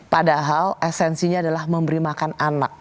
padahal esensinya adalah memberi makan anak